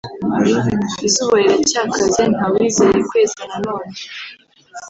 izuba riracyakaze ntawizeye kweza nanone